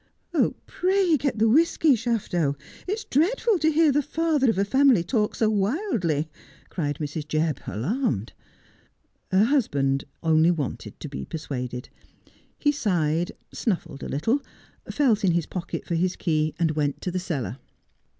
' Oh, pray get the whisky, Shafto. It's dreadful to hear the father of a family talk so wildly,' cried Mrs. Jebb, alarmed. Her husband only wanted to be persuaded. He sighed, snuffled a little, felt in his pocket for his key, and went to the cellar.